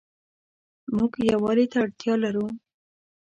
موږ يووالي ته اړتيا لرو